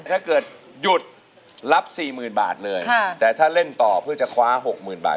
ถ้าเกิดหยุดรับสี่หมื่นบาทเลยแต่ถ้าเล่นต่อเพื่อจะคว้า๖๐๐๐บาท